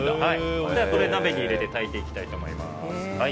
これを鍋に入れて炊いていきたいと思います。